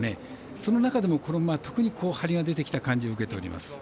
その中でもこの馬は特にハリが出てきた感じを受けております。